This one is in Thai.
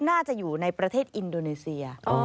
น่าจะอยู่ในประเทศอินโดนีเซีย